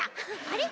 あれ？